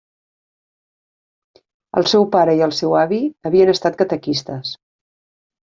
El seu pare i el seu avi havien estat catequistes.